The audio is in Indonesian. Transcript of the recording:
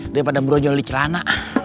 daripada murnioli celana